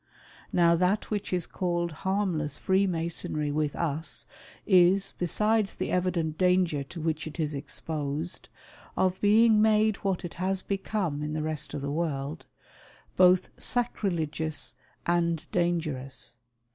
Now that which is called harmless Freemasonry with us, is, besides the evident danger to which it is exposed, of being made what it has become in the rest of the world, both sacrilegious and dangerous.